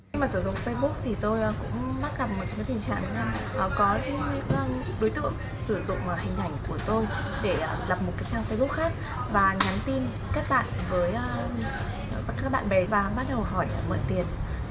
khi mà sử dụng facebook thì tôi cũng bắt gặp một trong cái tình trạng có những đối tượng sử dụng hình ảnh của tôi để lập một cái trang facebook khác và nhắn tin kết bạn với các bạn bè và bắt đầu hỏi mượn tiền